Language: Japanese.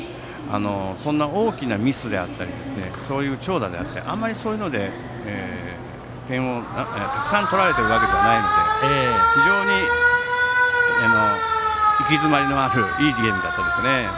そんな大きなミスであったりそういう長打であったりそういうので点をたくさん取られたわけじゃないので非常に、息詰まるいいゲームでしたね。